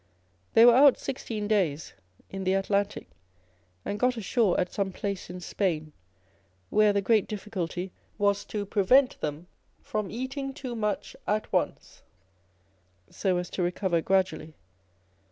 They were out sixteen days in the 126 On the Old Age of Artists. Atlantic, and got ashore at some place in Spain, where the great difficulty was to prevent them from eating too much at once, so as to recover gradually.